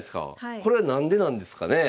これは何でなんですかねえ。